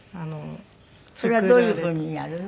それはどういうふうにやるの？